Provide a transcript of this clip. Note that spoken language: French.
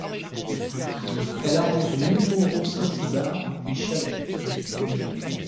Elle arrose Montmoreau-Saint-Cybard et Chalais.